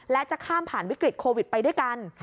และจะข้ามผ่านวิกฤตโควิดไปด้วยกัน